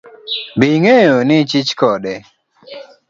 Be ing'eyo ni ichich kode?